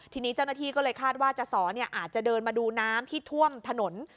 ทีนี้เจ้าหน้าที่ก็เลยคาดว่าจสออาจจะเดินมาดูน้ำที่ท่วมถนน